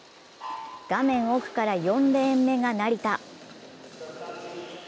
画面奥から４レーン目が成田。